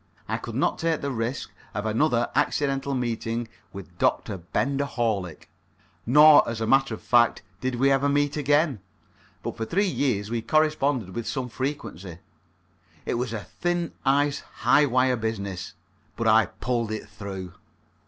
I could not take the risk of another accidental meeting with Dr. Benger Horlick. Nor, as a matter of fact, did we ever meet again. But for three years we corresponded with some frequency; it was a thin ice, high wire business, but I pulled it through.